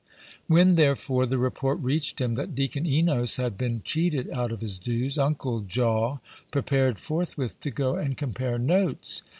When, therefore, the report reached him that Deacon Enos had been cheated out of his dues, Uncle Jaw prepared forthwith to go and compare notes.